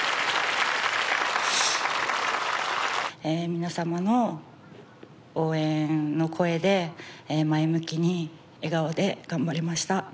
皆様の応援の声で前向きに笑顔で頑張れました。